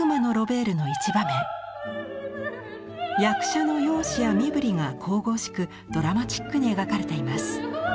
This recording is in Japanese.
役者の容姿や身振りが神々しくドラマチックに描かれています。